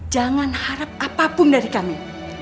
jangan harap apapun dari kami